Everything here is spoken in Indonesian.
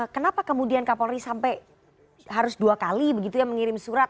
kenapa kemudian kapolri sampai harus dua kali begitu ya mengirim surat